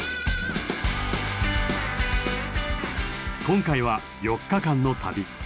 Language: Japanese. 今回は４日間の旅。